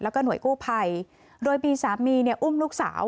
แล้วก็หน่วยกู้ภัยโดยมีสามีเนี่ยอุ้มลูกสาว